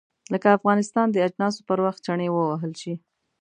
لکه افغانستان د اجناسو پر وخت چنې ووهل شي.